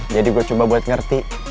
jadi gue coba buat ngerti